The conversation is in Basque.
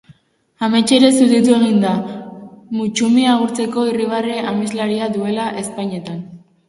Amets ere zutitu egin da, Mutsumi agurtzeko, irribarre ameslaria duela ezpainetan.